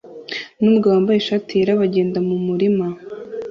numugabo wambaye ishati yera bagenda mumurima